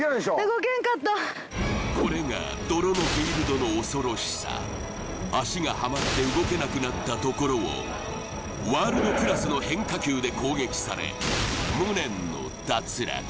動けんかったこれが泥のフィールドの恐ろしさ脚がはまって動けなくなったところをワールドクラスの変化球で攻撃され無念の脱落